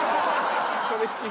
それっきり？